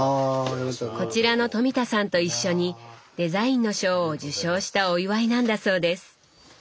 こちらの富田さんと一緒にデザインの賞を受賞したお祝いなんだそうです。